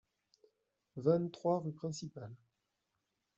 vingt-trois rue Principale